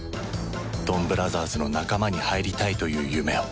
ドンブラザーズの仲間に入りたいという夢を